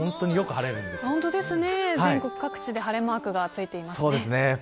全国各地で晴れマークがついてますね。